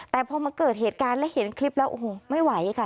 แต่พอมาเกิดเหตุการณ์และเห็นคลิปแล้วโอ้โหไม่ไหวค่ะ